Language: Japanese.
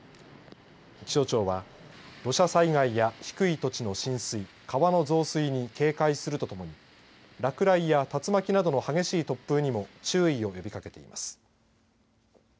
気象庁は土砂災害や低い土地の浸水川の増水に警戒するとともに落雷や竜巻などの激しい突風にも注意を呼びかけています。